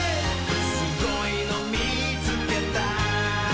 「すごいのみつけた」